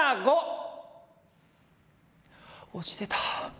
落ちてた。